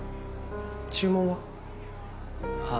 注文は？